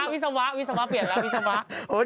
วิศวะวิศวะเปลี่ยนเลย